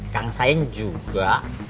kang sain juga